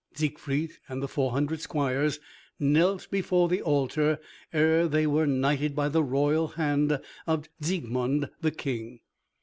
Siegfried and the four hundred squires knelt before the altar, ere they were knighted by the royal hand of Siegmund the King.